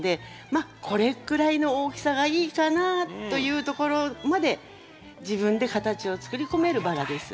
まあこれくらいの大きさがいいかなというところまで自分で形をつくり込めるバラです。